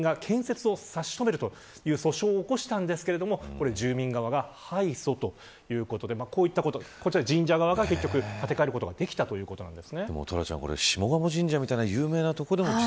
これに対して周辺の住民が建設を差し止めるという訴訟を起こしたんですが住民側が敗訴ということで神社側が結局建て替えることができたということです。